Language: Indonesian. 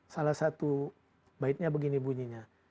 salah satu baiknya begini bunyinya